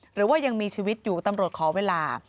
หรือว่ายังมีชีวิตอยู่ตำรวจขอเวลา